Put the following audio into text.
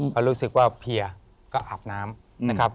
ก็รู้สึกว่าเพียก็อาบน้ำนะครับ